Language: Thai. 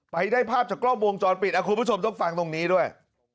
ไปได้ภาพจากกล้องวงจรปิดคุณผู้ชมต้องฟังตรงนี้ด้วย